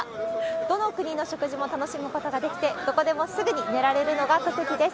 どの国の食事も楽しむことができて、どこでもすぐに寝られるのが特技です。